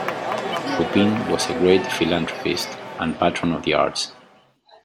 Pupin was a great philanthropist and patron of the arts.